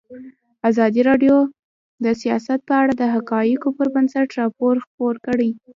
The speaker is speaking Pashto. ازادي راډیو د سیاست په اړه د حقایقو پر بنسټ راپور خپور کړی.